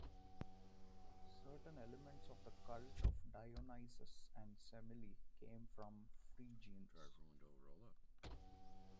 Certain elements of the cult of Dionysus and Semele came from the Phrygians.